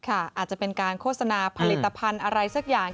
อาจจะเป็นการโฆษณาผลิตภัณฑ์อะไรสักอย่าง